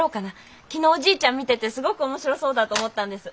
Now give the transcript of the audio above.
昨日おじいちゃん見ててすごく面白そうだと思ったんです。